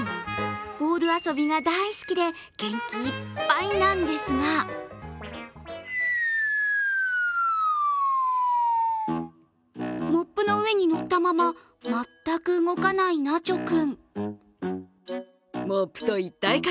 ボール遊びが大好きで元気いっぱいなんですがモップの上に乗ったまま、全く動かないナチョ君。